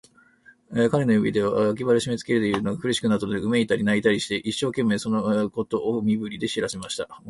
彼の指で、脇腹をしめつけられているのが苦しくなったので、うめいたり、泣いたりして、一生懸命、そのことを身振りで知らせました。